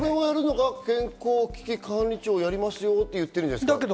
健康危機管理庁をやりますよって言ってますけど。